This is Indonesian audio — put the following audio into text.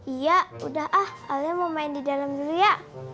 iya udah ah kalian mau main di dalam dulu ya